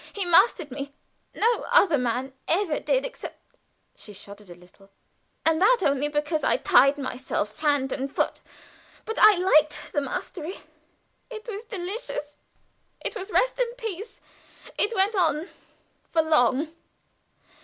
He mastered me. No other man ever did except " she shuddered a little, "and that only because I tied myself hand and foot. But I liked the mastery. It was delicious; it was rest and peace. It went on for long.